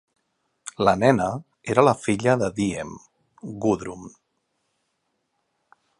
La nena era la filla de Diem, Gudrun.